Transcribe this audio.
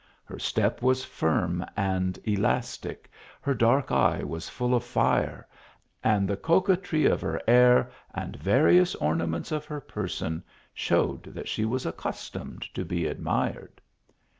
Her step was firm and elastic, her dark eye was full of fire, and the coquetry of her air, and varied ornaments of her person showed that she was accustomed to be admired.